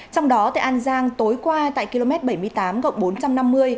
trong đó tại an giang tối qua tại km bảy mươi tám cộng bốn trăm năm mươi